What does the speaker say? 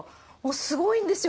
すごいんですよ。